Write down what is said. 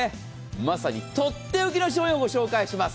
まさにとっておきの商品をご紹介いたします。